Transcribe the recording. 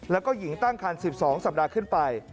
แล้วก็หญิงตั้งคัน๑๒สัปดาห์ขึ้นไป